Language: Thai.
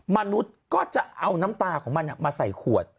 มนุษย์ก็จะเอาน้ำตาของมันมาใส่ขวด